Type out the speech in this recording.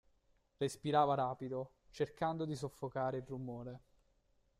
Respirava rapido, cercando di soffocare il rumore.